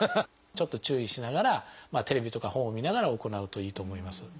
ちょっと注意しながらテレビとか本を見ながら行うといいと思います。